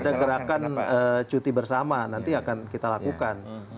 ada gerakan cuti bersama nanti akan kita lakukan